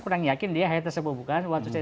kurang yakin dia hayatnya sepupukan waktu saya